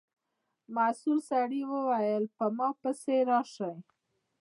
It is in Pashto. مسؤل سړي و ویل په ما پسې راشئ.